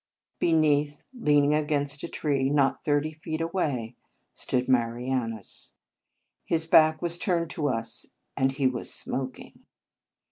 Beneath, lean ing against a tree, not thirty feet away, stood Marianus. His back was turned to us, and he was smoking.